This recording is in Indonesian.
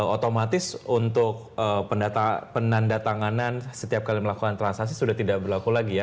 otomatis untuk penanda tanganan setiap kali melakukan transaksi sudah tidak berlaku lagi ya